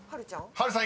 ［波瑠さん